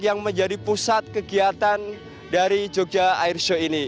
yang menjadi pusat kegiatan dari jogja airshow ini